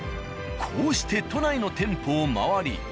こうして都内の店舗を回り。